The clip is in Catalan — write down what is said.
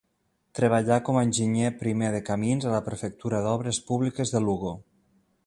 Treballà com a enginyer primer de Camins a la Prefectura d'Obres Públiques de Lugo.